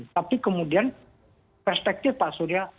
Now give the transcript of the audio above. tapi kemudian perspektif pak surya